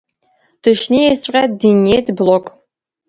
Дышнеизҵәҟьа диниеит Блок.